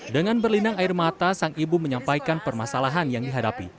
dengan berlindang air mata sang ibu menyampaikan permasalahan yang dihadapi